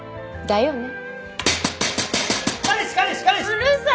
うるさい！